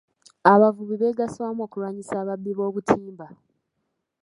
Abavubi beegasse wamu okulwanyisa ababbi b'obutimba.